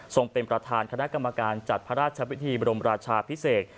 เป็นประธานคณะกรรมการจัดพระราชพิธีบรมราชาพิเศษ